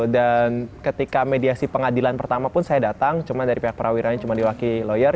dan ketika mediasi pengadilan pertama pun saya datang cuma dari pihak perawirannya cuma diwaki lawyer